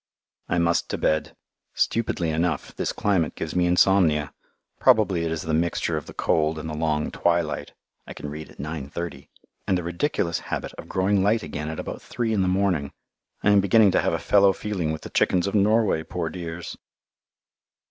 I must to bed. Stupidly enough, this climate gives me insomnia. Probably it is the mixture of the cold and the long twilight (I can read at 9.30), and the ridiculous habit of growing light again at about three in the morning. I am beginning to have a fellow feeling with the chickens of Norway, poor dears!